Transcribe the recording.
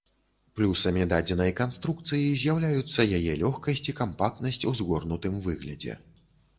Плюсамі дадзенай канструкцыі з'яўляюцца яе лёгкасць і кампактнасць у згорнутым выглядзе.